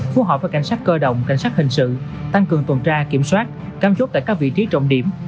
phù hợp với cảnh sát cơ động cảnh sát hình sự tăng cường tuần tra kiểm soát cam chốt tại các vị trí trọng điểm